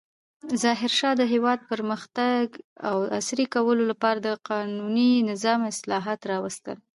ظاهرشاه د هېواد د پرمختګ او عصري کولو لپاره د قانوني نظام اصلاحات راوستل.